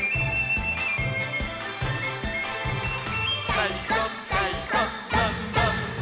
「たいこたいこどんどん」